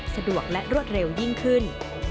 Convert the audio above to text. สะดวกและรวดเร็วยิ่งขึ้น